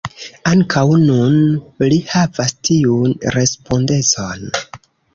Ankaŭ nun li havas tiun respondecon.